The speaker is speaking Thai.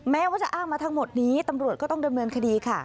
แม้ว่าจะอ้างมาทั้งหมดนี้ตำรวจก็ต้องดำเนินคดีค่ะ